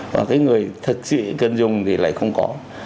và cái người thật sự cần dùng thì lại không có